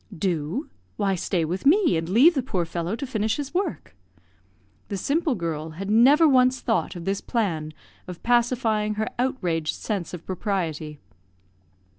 "Do? why, stay with me, and leave the poor fellow to finish his work." The simple girl had never once thought of this plan of pacifying her outraged sense of propriety.